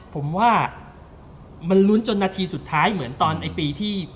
ผมว่ามันลุ้นจนนาทีสุดท้ายเหมือนตอนไอ้ปีที่